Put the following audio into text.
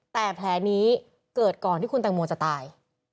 แต่แผลนี้เกิดก่อนที่คุณแตงโมจะตาย